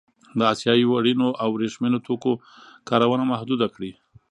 د اسیايي وړینو او ورېښمينو توکو کارونه محدوده کړي.